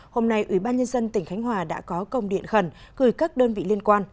hôm nay ubnd tỉnh khánh hòa đã có công điện khẩn gửi các đơn vị liên quan